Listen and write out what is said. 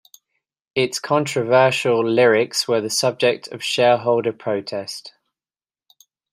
Its controversial lyrics were the subject of shareholder protest.